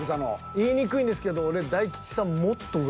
言いにくいんですけど俺はははは。